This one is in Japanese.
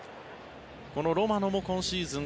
このロマノも今シーズン